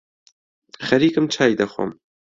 خەریکم چای دەخۆم